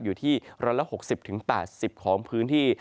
อยู่ที่ร้อนละ๖๐๘๐ของพื้นที่